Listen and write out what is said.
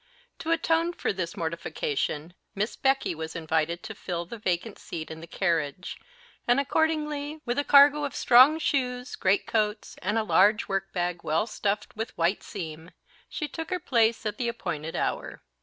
To atone for this mortification Miss Becky was invited to fill the vacant seat in the carriage; and, accordingly, with a cargo of strong shoes, greatcoats, and a large work bag well stuffed with white seam, she took her place at the appointed hour.